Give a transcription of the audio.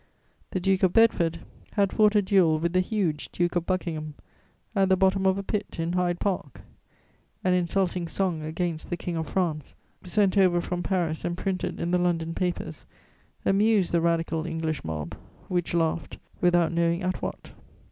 The Duke of Bedford had fought a duel with the huge Duke of Buckingham, at the bottom of a pit, in Hyde Park; an insulting song against the King of France, sent over from Paris and printed in the London papers, amused the Radical English mob, which laughed without knowing at what.